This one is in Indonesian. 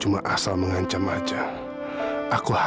apa kamu gak pengen memeluk dia